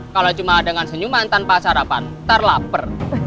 kalau cuma dengan senyuman tanpa sarapan ntar lapar